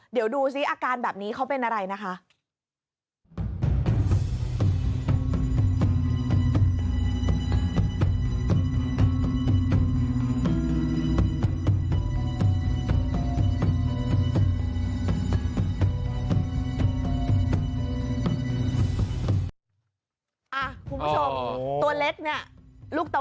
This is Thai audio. เดี๋ยวดูซิอาการแบบนี้เขาเป็นอะไรนะคะ